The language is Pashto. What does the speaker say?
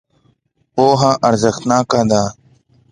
پوهه ارزښتناکه ده.